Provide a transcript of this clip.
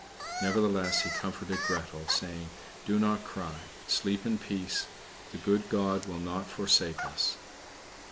Nevertheless he comforted Gretel, saying, "Do not cry; sleep in peace; the good God will not forsake us."